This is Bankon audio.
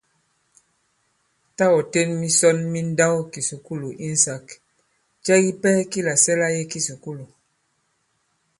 Tâ ɔ̀ ten misɔn mi nndawkìsùkulù insāk, cɛ kipɛ ki làsɛ̀la i kisùkulù ?